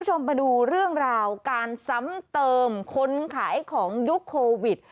คุณผู้ชมมาดูเรื่องราวการซ้ำเติมคนขายของยุคโควิด